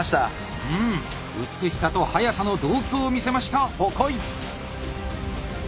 うん美しさと速さの同居を見せました鉾井！